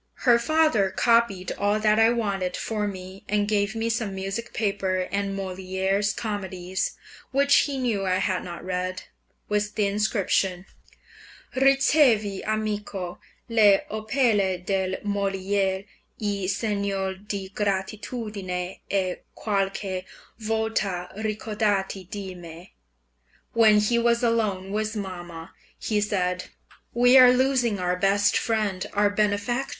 Her father copied all that I wanted for me, and gave me some music paper and Molière's comedies (which he knew I had not read), with the inscription, "Ricevi, amico, le opere del Molière in segno di gratitudine e qualche volta ricordati di me." When he was alone with mamma, he said, "We are losing our best friend, our benefactor.